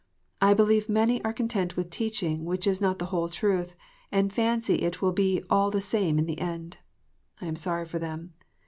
I believe many are content with teaching which is not the whole truth, and fancy it will be "all the same " in the end. I am sorry for them.